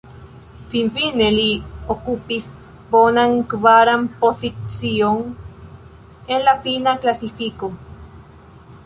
Finfine li okupis bonan, kvaran pozicion en fina klasifiko.